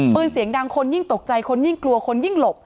ปืนเสียงดังคนยิ่งตกใจคนยิ่งกลัวคนยิ่งหลบ